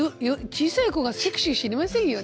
小さい子がセクシー知りませんよね。